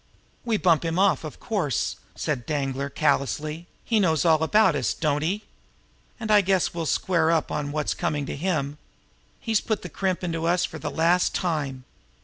"We bump him off, of course," said Danglar callously. "He knows all about us, don't he? And I guess we'll square up on what's coming to him! He's put the crimp into us for the last time!"